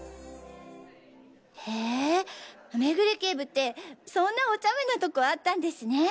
へぇ目暮警部ってそんなお茶目なトコあったんですね！